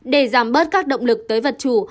để giảm bớt các động lực tới vật chủ